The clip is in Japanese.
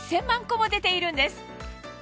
も出ているんです